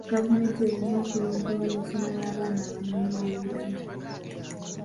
Gavumenti erina pkulondoola ensoma y'abaana abanoonyiboobubudamu.